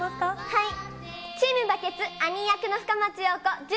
はい。